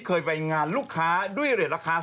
เคยไปงานลูกค้าด้วยเหรียญราคา